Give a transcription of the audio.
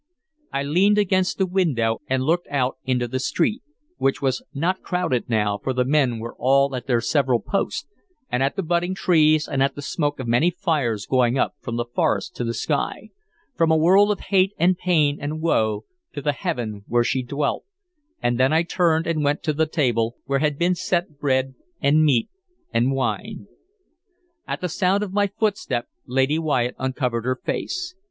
I leaned against the window and looked out into the street, which was not crowded now, for the men were all at their several posts, and at the budding trees, and at the smoke of many fires going up from the forest to the sky, from a world of hate and pain and woe to the heaven where she dwelt, and then I turned and went to the table, where had been set bread and meat and wine. At the sound of my footstep Lady Wyatt uncovered her face.